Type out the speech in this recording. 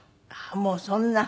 もうそんな。